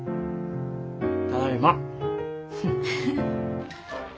ただいま。